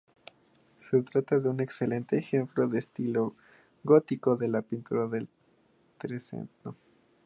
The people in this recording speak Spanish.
Se trata de un excelente ejemplo de estilo gótico de la pintura del Trecento.